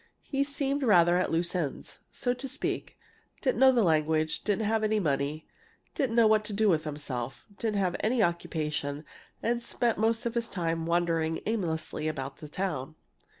He seemed rather at loose ends, so to speak, didn't know the language, didn't have any money, didn't know what to do with himself, didn't have any occupation, and spent most of his time wandering aimlessly about the town.